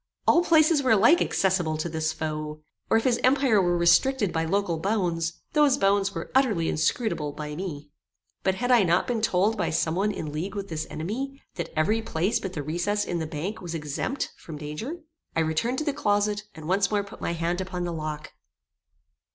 All places were alike accessible to this foe, or if his empire were restricted by local bounds, those bounds were utterly inscrutable by me. But had I not been told by some one in league with this enemy, that every place but the recess in the bank was exempt from danger? I returned to the closet, and once more put my hand upon the lock.